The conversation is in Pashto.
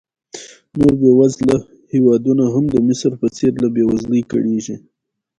نور بېوزله هېوادونه هم د مصر په څېر له بېوزلۍ کړېږي.